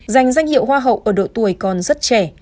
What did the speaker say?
giành danh hiệu hoa hậu ở độ tuổi còn rất trẻ